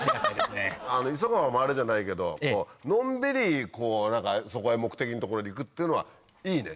急がば回れじゃないけどのんびりこう目的の所に行くっていうのはいいね。